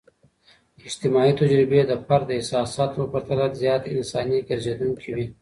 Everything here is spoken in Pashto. اجتماعي تجربې د فرد د احساساتو په پرتله زیات انساني ګرځیدونکي وي.